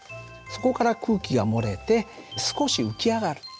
そこから空気が漏れて少し浮き上がる。